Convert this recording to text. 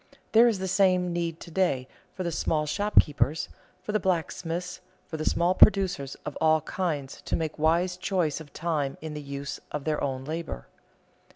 There is the same need to day for the small shopkeepers, for the blacksmiths, for the small producers of all kinds to make wise choice of time in the use of their own labor.